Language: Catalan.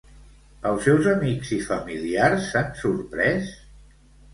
Els seus amics i familiars s'han sorprès?